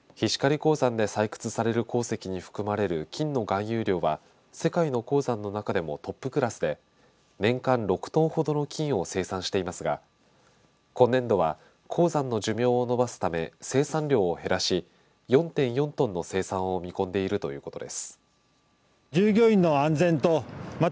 鉱山で採掘される鉱石に含まれる金の含有量は世界の鉱山の中でもトップクラスで年間６トンほどの金を生産していますが今年度は鉱山の寿命を延ばすため生産量を減らし４．４トンの生産を見込んでいるということです。